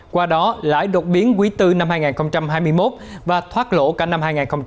qua đó lại đột biến quý tư năm hai nghìn hai mươi một và thoát lỗ cả năm hai nghìn hai mươi một